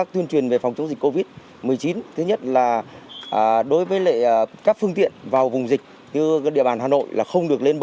thứ nhất là đối với các phương tiện vào vùng dịch